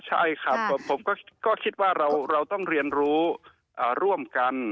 ใช่ครับผมก็คิดว่าเราต้องเรียนรู้ร่วมกัน